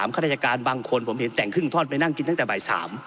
ข้าราชการบางคนผมเห็นแต่งครึ่งทอดไปนั่งกินตั้งแต่บ่าย๓